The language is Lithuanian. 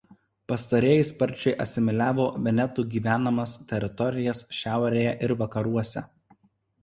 Pastarieji sparčiai asimiliavo venetų gyvenamas teritorijas šiaurėje ir vakaruose.